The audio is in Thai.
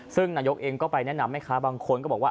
ซึ่งนายกเองก็ไปแนะนำแม่ค้าบางคนก็บอกว่า